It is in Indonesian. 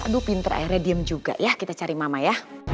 aduh pinter akhirnya diem juga ya kita cari mama ya